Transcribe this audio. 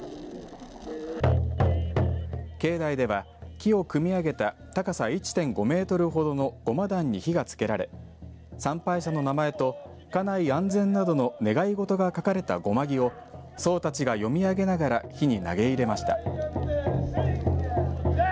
境内では木を組み上げた高さ１．５メートルほどの護摩壇に火がつけられ参拝者の名前と家内安全などの願い事が書かれた護摩木を僧たちが読み上げながら火に投げ入れました。